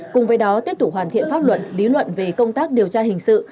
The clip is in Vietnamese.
cùng với đó tiếp tục hoàn thiện pháp luận lý luận về công tác điều tra hình sự